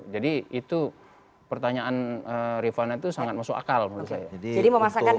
jadi itu pertanyaan rifana itu sangat masuk akal menurut saya